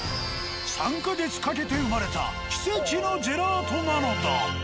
３か月かけて生まれた奇跡のジェラートなのだ。